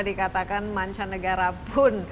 dikatakan mancanegara pun